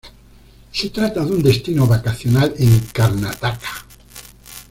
Se trata de un destino vacacional en Karnataka.